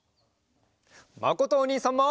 まことおにいさんも。